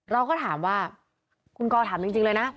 เราก็ถามว่าคุณกอถามจริงเลยนะ